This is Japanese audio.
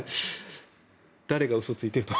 誰が嘘をついていると？